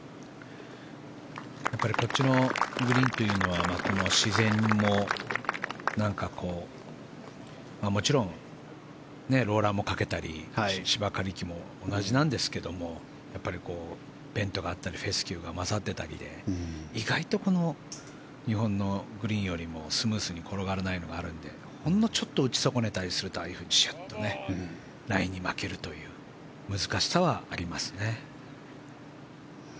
やっぱり、こっちのグリーンというのは自然ももちろんローラーもかけたり芝刈り機も同じなんですけどやっぱりベントがあったりフェスキューが交ざってたりで意外と日本のグリーンよりもスムーズに転がらないのがあるのでほんのちょっと打ち損ねたりするとああいうふうにラインに負けるという難しさはありますね。